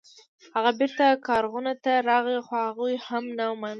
هغه بیرته کارغانو ته راغی خو هغوی هم ونه مانه.